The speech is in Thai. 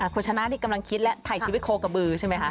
คุณชนะนี่กำลังคิดแล้วถ่ายชีวิตโคกระบือใช่ไหมคะ